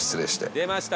「出ました！